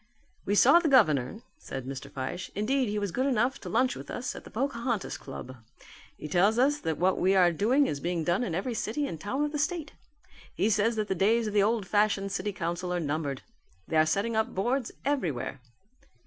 "We saw the governor," said Mr. Fyshe. "Indeed he was good enough to lunch with us at the Pocahontas Club. He tells us that what we are doing is being done in every city and town of the state. He says that the days of the old fashioned city council are numbered. They are setting up boards everywhere."